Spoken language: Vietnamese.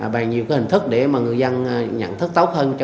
bằng nhiều hình thức để mà người dân nhận thức tốt hơn